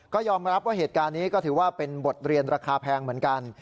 ก็ยอมรับว่าเหตุการณ์นี้ก็ถือว่าเป็นบทเรียนราคาแพงเหมือนกัน